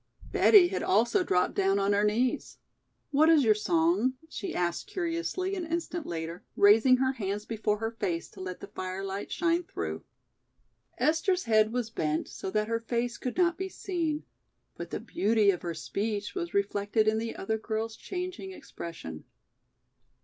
Betty had also dropped down on her knees. "What is your song?" she asked curiously an instant later, raising her hands before her face to let the firelight shine through. Esther's head was bent so that her face could not be seen, but the beauty of her speech was reflected in the other girl's changing expression.